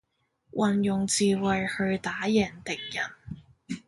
運用智慧去打贏敵人